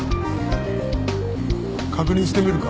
確認してみるか。